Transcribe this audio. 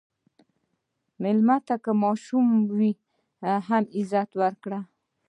مېلمه ته که ماشوم وي، هم عزت ورکړه.